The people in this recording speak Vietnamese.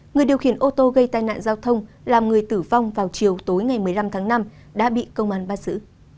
người điều khiển ô tô gây tai nạn giao thông làm người tử vong vào chiều tối ngày một mươi năm tháng năm đã bị công an bắt giữ